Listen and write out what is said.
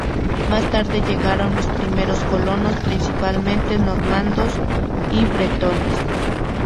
Más tarde llegaron los primeros colonos, principalmente normandos y bretones.